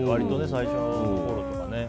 最初のころとか。